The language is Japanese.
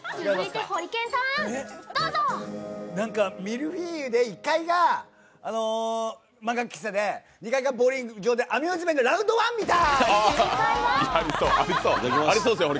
ミルフィーユで１階が漫画喫茶で２階がボウリング場でアミューズメント、ラウンドワンみたい！